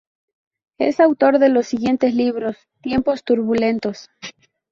Es autor de los siguientes libros: "Tiempos Turbulentos.